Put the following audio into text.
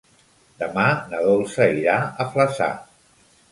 Demà na Dolça irà a Flaçà.